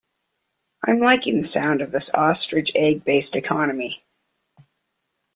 I'm liking the sound of this ostrich egg based economy.